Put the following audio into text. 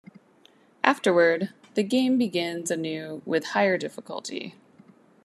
Afterward, the game begins anew with higher difficulty.